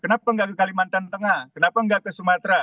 kenapa nggak ke kalimantan tengah kenapa nggak ke sumatera